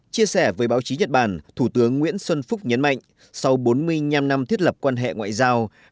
chia sẻ với báo chí nhật bản thủ tướng nguyễn xuân phúc nhấn mạnh sau bốn mươi năm năm thiết lập quan hệ ngoại giao